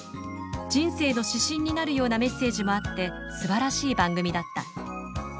人生の指針になるようなメッセージもあってすばらしい番組だった」